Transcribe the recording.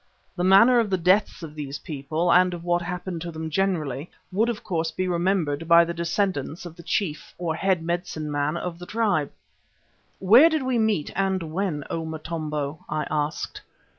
The manner of the deaths of these people and of what happened to them generally would of course be remembered by the descendants of the chief or head medicine man of the tribe. "Where did we meet, and when, O Motombo?" I asked.